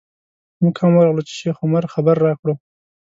موږ هم ورغلو چې شیخ عمر خبر راکړو.